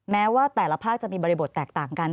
แม้ว่าแต่ละภาคจะมีบริบทแตกต่างกัน